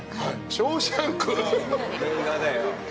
『ショーシャンク』名画だよ。